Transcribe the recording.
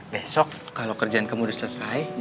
besok kalau kerjaan kamu sudah selesai